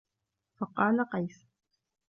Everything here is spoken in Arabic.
فَقَالَ قَيْسٌ